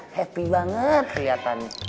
happy banget keliatan